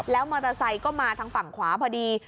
แล้วมอเตอร์ไซค์ก็มาทางฝั่งขวาพอดี